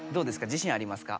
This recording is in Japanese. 自しんありますか？